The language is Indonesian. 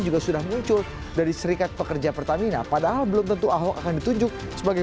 juga sudah muncul dari serikat pekerja pertamina padahal belum tentu ahok akan ditunjuk sebagai